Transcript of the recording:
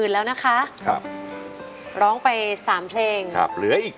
เก่งครับ